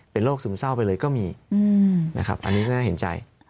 เป็นโรคซึมเศร้าไปเลยก็มีนะครับอันนี้ก็น่าเห็นใจ